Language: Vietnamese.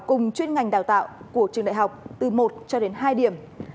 cùng chuyên ngành đào tạo của trường đại học từ một cho đến hai điểm